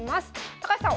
高橋さん